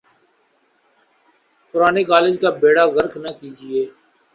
پرانے کالج کا بیڑہ غرق نہ کیجئے۔